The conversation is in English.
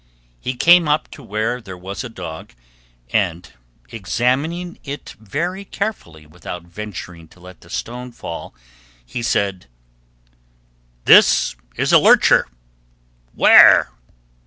He came up to where there was a dog, and examining it very carefully without venturing to let the stone fall, he said: "This is a lurcher; ware!"